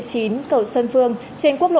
cầu xuân phương trên quốc lộ hai